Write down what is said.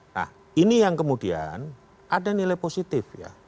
nah ini yang kemudian ada nilai positif ya